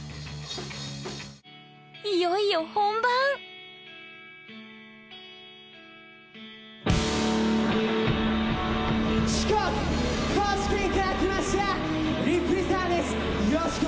いよいよ本番うん。